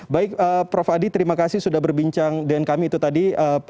baik prof adi terima kasih sudah berbincang dengan kami itu tadi